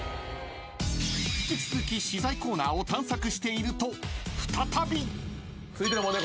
［引き続き資材コーナーを探索していると再び］続いての問題